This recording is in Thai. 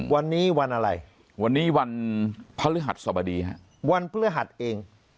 วันนี้วันอะไรวันนี้วันพฤหัสสบดีฮะวันพฤหัสเอง